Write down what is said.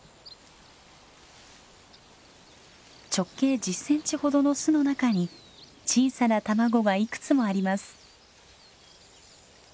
直径１０センチほどの巣の中に小さな卵がいくつもあります。